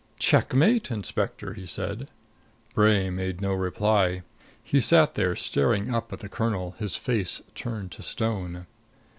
"Checkmate, Inspector!" he said. Bray made no reply. He sat there staring up at the colonel, his face turned to stone.